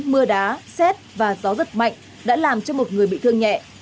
mưa đá xét và gió giật mạnh đã làm cho một người bị thương nhẹ